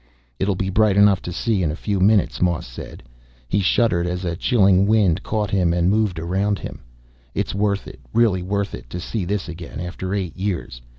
"It'll be bright enough to see in a few minutes," Moss said. He shuddered as a chilling wind caught him and moved around him. "It's worth it, really worth it, to see this again after eight years.